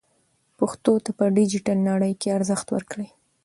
پښتو ته په ډیجیټل نړۍ کې ارزښت ورکړئ.